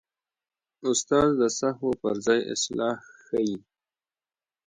استاد د سهوو پر ځای اصلاح ښيي.